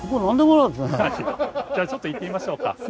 じゃあちょっと行ってみましょうか。